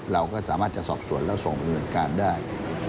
เราก็สามารถจะสอบสวนแล้วส่งดำเนินการได้